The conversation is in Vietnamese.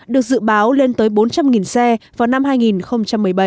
được dự báo lên tới bốn trăm linh xe vào năm hai nghìn một mươi bảy